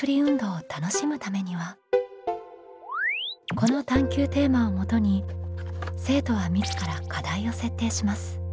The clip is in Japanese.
この探究テーマをもとに生徒は自ら課題を設定します。